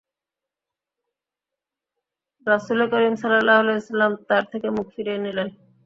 রাসুলে কারীম সাল্লাল্লাহু আলাইহি ওয়াসাল্লাম তাঁর থেকে মুখ ফিরিয়ে নিলেন।